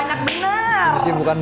namanya seperti ini